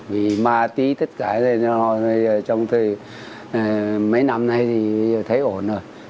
vì ma túy tất cả trong mấy năm nay thì thấy ổn rồi